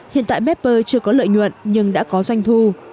hiện tại bếpr chưa có lợi nhuận nhưng đã có doanh thu